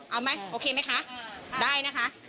เอาไหมโอเคไหมคะได้นะคะ